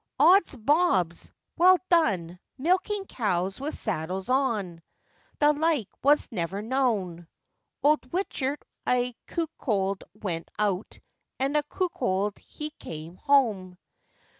'Ods bobs! well done! milking cows with saddles on! The like was never known!' Old Wichet a cuckold went out, and a cuckold he came home!